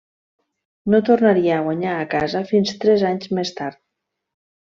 No tornaria a guanyar a casa fins tres anys més tard.